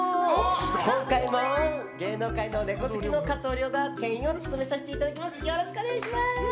今回もネコ好きの加藤諒が店員を務めさせていただきます。